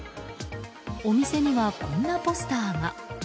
お店にはこんなポスターが。